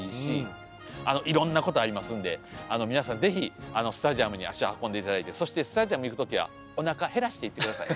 あのいろんなことありますんで皆さん是非スタジアムに足を運んでいただいてそしてスタジアム行く時はおなか減らして行ってください。